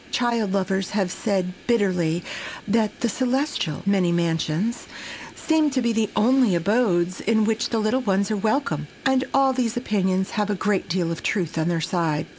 Child lovers have said bitterly that the celestial "many mansions" seem to be the only abodes in which the little ones are welcome,—and all these opinions have a great deal of truth on their side.